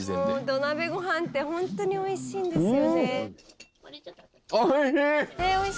「土鍋ご飯って本当に美味しいんですよね」